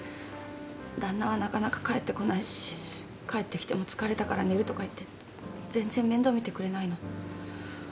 旦那はなかなか帰ってこないし帰ってきても「疲れたから寝る」とか言って全然面倒見てくれないの。